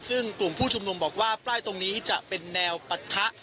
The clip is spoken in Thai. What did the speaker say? ซึ่งกลุ่มผู้ชุมนุมบอกว่าป้ายตรงนี้จะเป็นแนวปะทะ